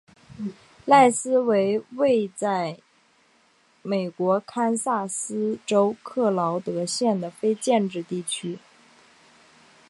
赖斯为位在美国堪萨斯州克劳德县的非建制地区。